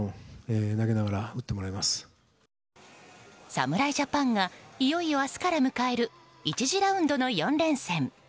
侍ジャパンがいよいよ明日から迎える１次ラウンドの４連戦。